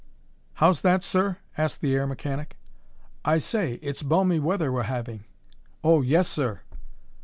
"How's that, sir?" asked the air mechanic. "I say, it's balmy weather we're having." "Oh! Yes, sir."